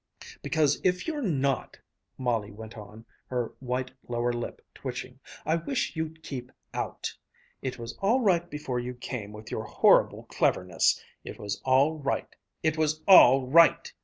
"Because if you're not," Molly went on, her white lower lip twitching, "I wish you'd keep out. It was all right before you came with your horrible cleverness. It was all right. It was all right."